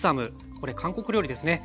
これ韓国料理ですね。